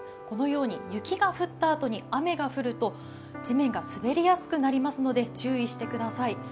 このように雪が降った後に雨が降ると地面が滑りやすくなりますので注意してください。